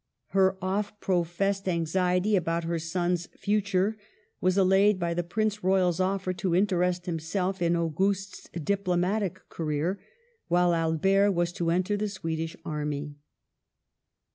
Her oft professed anxiety about her sons' future was allayed by the Prince Royal's offer to interest himself in Augustus diplomatic career, while Albert was to enter the Swedish army.